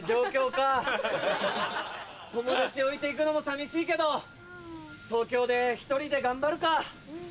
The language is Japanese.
友達を置いて行くのも寂しいけど東京で１人で頑張るか。